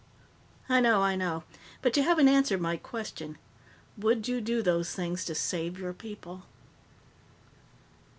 "I know, I know. But you haven't answered my question. Would you do those things to save your people?"